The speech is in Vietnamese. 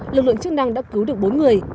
lực lượng chức năng đã cứu được bốn người